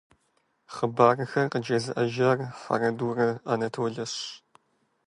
Хъыбархэр къыджезыӀэжар Хьэрэдурэ Анатолэщ.